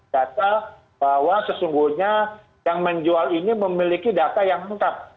data bahwa sesungguhnya yang menjual ini memiliki data yang lengkap